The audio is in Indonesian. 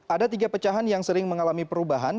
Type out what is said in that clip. ada tiga pecahan yang sering mengalami perubahan